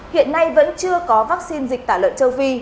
hiện nay vẫn chưa có vaccine dịch tả lợn châu phi